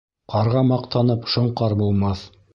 Ҡарға маҡтанып шоңҡар булмаҫ